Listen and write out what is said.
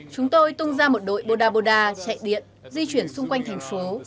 chúng tôi tung ra một đội buddha buddha chạy điện di chuyển xung quanh thành phố